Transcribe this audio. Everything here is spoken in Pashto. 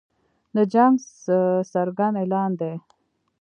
د جنګ څرګند اعلان دی.